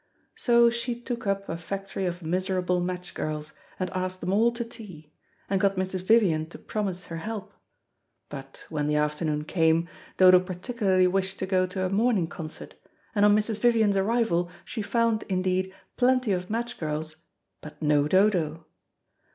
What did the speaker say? So she took up a factory of miserable match girls, and asked them all to tea, and got Mrs. Vivian to promise her help; but when the afternoon came, Dodo particularly wished to go to a morning concert, and on Mrs. Vivian's arrival she found, indeed, plenty of match girls, but no Dodo.